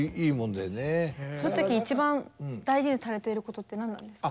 そういう時一番大事にされてることって何なんですか？